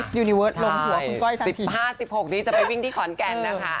คุณก้อย๑๕๑๖นี้จะไปวิ่งที่ขอนแก่นนะคะ